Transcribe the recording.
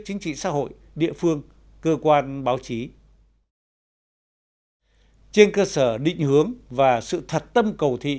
chính trị xã hội địa phương cơ quan báo chí trên cơ sở định hướng và sự thật tâm cầu thị